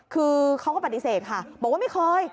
คือเขาก็ปฏิเสธค่ะบอกว่าไม่เคย